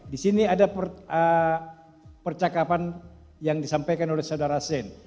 di sini ada percakapan yang disampaikan oleh saudara sen